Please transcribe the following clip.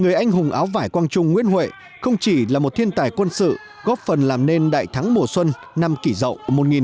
người anh hùng áo vải quang trung nguyễn huệ không chỉ là một thiên tài quân sự góp phần làm nên đại thắng mùa xuân năm kỷ rậu một nghìn bảy trăm tám mươi chín